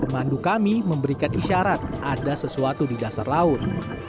pemandu kami memberikan isyarat ada sesuatu di dasar laut